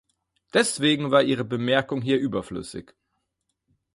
Deswegen war Ihre Bemerkung hier überflüssig.